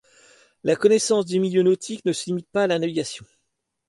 La connaissance du milieu nautique ne se limite pas à la navigation.